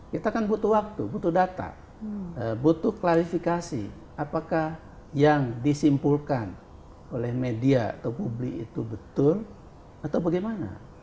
kita kan butuh waktu butuh data butuh klarifikasi apakah yang disimpulkan oleh media atau publik itu betul atau bagaimana